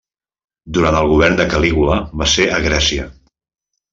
Durant el govern de Calígula va ser a Grècia.